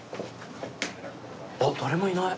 あっ誰もいない。